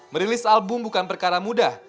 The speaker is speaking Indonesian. merilis album bukan perkara mudah